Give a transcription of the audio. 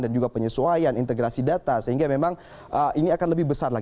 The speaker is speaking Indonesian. dan juga penyesuaian integrasi data sehingga memang ini akan lebih besar